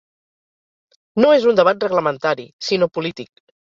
No és un debat reglamentari, sinó polític.